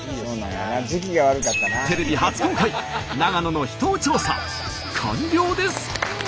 テレビ初公開長野の秘湯調査完了です。